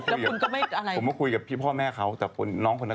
กลัวว่าผมจะต้องไปพูดให้ปากคำกับตำรวจยังไง